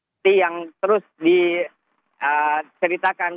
seperti yang terus diceritakan